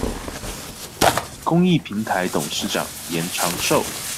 公益平臺董事長嚴長壽